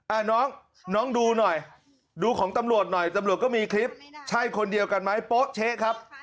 อ่าน้องน้องดูหน่อยดูของตำรวจหน่อยตำรวจก็มีคลิปใช่คนเดียวกันไหมโป๊ะเช๊ะครับ